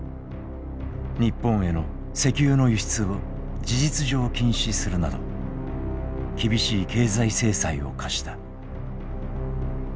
日本への石油の輸出を事実上禁止するなど厳しい経済制裁を課した。